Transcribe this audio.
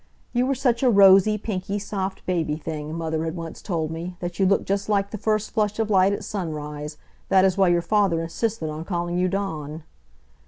"You were such a rosy, pinky, soft baby thing," Mother had once told me, "that you looked just like the first flush of light at sunrise. That is why your father insisted on calling you Dawn."